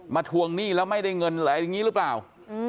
ทวงหนี้แล้วไม่ได้เงินอะไรอย่างนี้หรือเปล่า